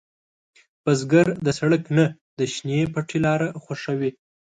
بزګر د سړک نه، د شنې پټي لاره خوښوي